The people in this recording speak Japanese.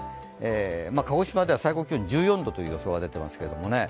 鹿児島では最高気温１４度という予想が出てますけど。